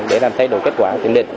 để làm thay đổi kết quả kiểm định